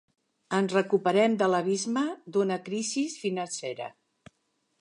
Ens recuperem de l'abisme d'una crisi financera.